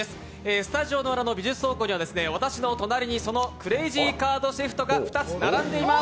スタジオ裏の美術倉庫には、私の隣にそのクレイジーカートシフトが２つ並んでいます。